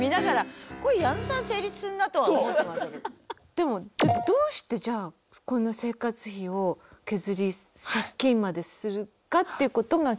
でもじゃどうしてじゃあこんな生活費を削り借金までするかっていうことが聞きたいですよね。